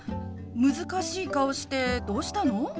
難しい顔してどうしたの？